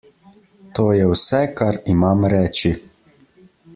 To je vse, kar imam reči.